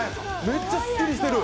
めっちゃすっきりしてる。